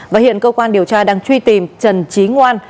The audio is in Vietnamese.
và hiện cơ quan điều tra đang truy tìm trần trí ngoan